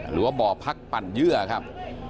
หรือว่าบ่อพักปั่นเยื่อครับ